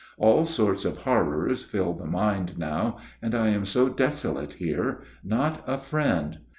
All sorts of horrors fill the mind now, and I am so desolate here; not a friend.